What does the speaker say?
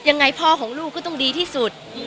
ยังไงพ่อของลูกก็ต้องดีที่สุด